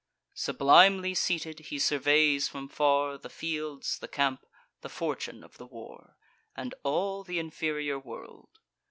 Sublimely seated, he surveys from far The fields, the camp, the fortune of the war, And all th' inferior world.